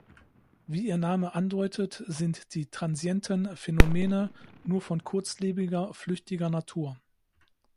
Wie ihr Name andeutet sind die transienten Phänomene nur von kurzlebiger, flüchtiger Natur.